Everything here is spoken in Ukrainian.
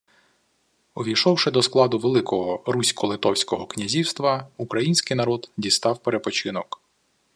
Увійшовши до складу Великого Русько-Литовського князівства, український народ дістав перепочинок